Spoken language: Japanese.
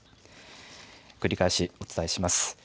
繰り返しお伝えします。